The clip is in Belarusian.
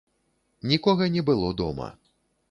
Нікога не было дома.